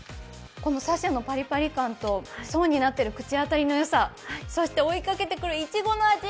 紗々のパリパリ感と層になっている口当たりのよさ、そして追いかけてくるいちごの味。